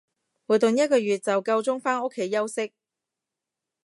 活動一個月就夠鐘返屋企休息